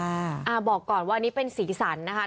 อ่าบอกก่อนว่านี่เป็นศีรษรนะคะ